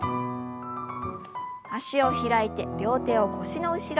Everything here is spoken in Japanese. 脚を開いて両手を腰の後ろ。